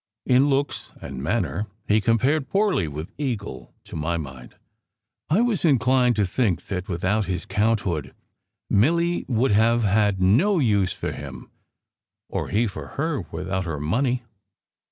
In looks and manner he compared poorly with Eagle, to my mind. I was inclined to think that without his counthood Milly would have had no use for him, or he for her without her money.